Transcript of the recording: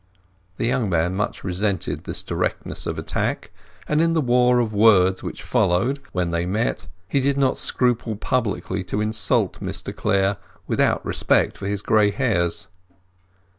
The young man much resented this directness of attack, and in the war of words which followed when they met he did not scruple publicly to insult Mr Clare, without respect for his gray hairs.